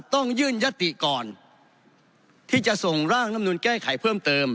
ต้องยื่นยติก่อนที่จะส่งร่างน้ำหนุน